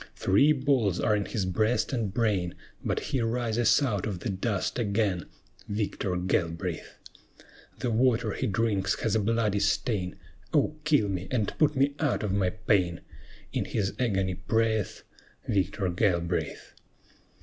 Three balls are in his breast and brain, But he rises out of the dust again, Victor Galbraith! The water he drinks has a bloody stain; "Oh, kill me, and put me out of my pain!" In his agony prayeth Victor Galbraith.